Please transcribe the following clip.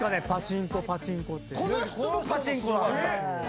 この人もパチンコなの！